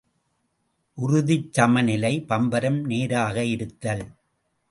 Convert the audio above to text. உறுதிச் சமநிலை பம்பரம் நேராக இருத்தல்.